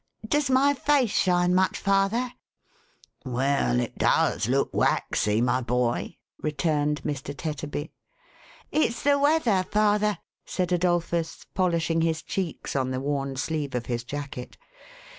Does my face shine much, father ?"" Well, it does look waxy, my boy," returned Mr. Tetterby. "It's the weather, father," said Adolphus, polishing his cheeks on the worn sleeve of his jacket.